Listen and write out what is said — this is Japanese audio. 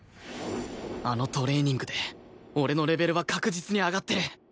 あのトレーニングで俺のレベルは確実に上がってる！